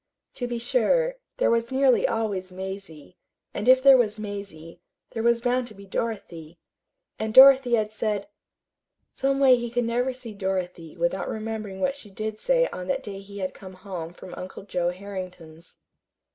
To be sure, there was nearly always Mazie, and if there was Mazie, there was bound to be Dorothy. And Dorothy had said Some way he could never see Dorothy without remembering what she did say on that day he had come home from Uncle Joe Harrington's.